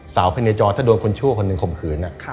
สาวพเนจรถ้าโดนคนชั่วคนมีขมขืน